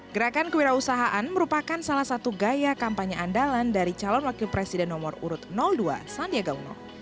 gerakan kewirausahaan merupakan salah satu gaya kampanye andalan dari calon wakil presiden nomor urut dua sandiaga uno